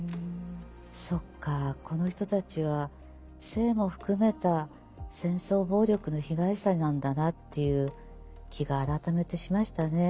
そっかこの人たちは性も含めた戦争暴力の被害者なんだなっていう気が改めてしましたね。